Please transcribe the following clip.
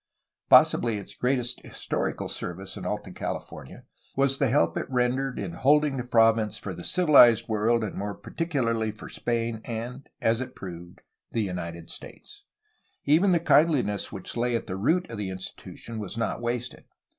Possibly its greatest historical service in Alta Califor nia was the help it rendered n ho ding the province for the civilized world, and more particularly for Spain and (as it proved) the United States. Even the kindliness which lay at the root of the institution was not wasted.